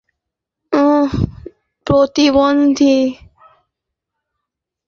এগুলো হচ্ছে senior citizen, গেজেটভুক্ত যুদ্ধাহত মুক্তিযোদ্ধা, প্রতিবন্ধী, নারী এবং তরুণ।